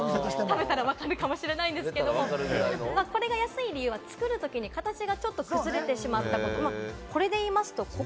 食べたら分かるかもしれませんが、訳アリで安い理由は作るときに形がちょっと崩れてしまったこと。